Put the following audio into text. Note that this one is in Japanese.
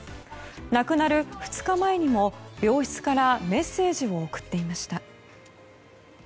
亡くなる２日前にも病室からメッセージを送っていました。